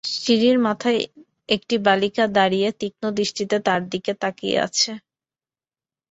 সিঁড়ির মাথায় একটি বালিকা দাঁড়িয়ে তীক্ষ্ণ দৃষ্টিতে তাঁর দিকে তাকিয়ে আছে।